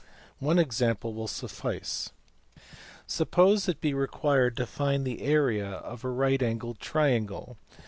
One example will suffice. Suppose it be required to find the area of a right angled triangle.